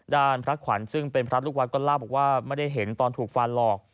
ด้านพระขวัญซึ่งเป็นพระลูกวัดก็เล่าบอกว่าไม่ได้เห็นตอนถูกฟันหรอก